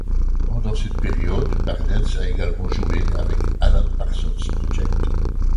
Pendant cette période, Bardens a également joué avec Alan Parsons Project.